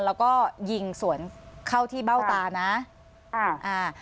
แล้วก็ยิงสวนเข้าที่เบ้าตานะอ่าอ่า